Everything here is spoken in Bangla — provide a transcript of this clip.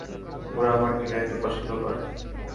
ওরা আমার দুনিয়াকে পছন্দ করে।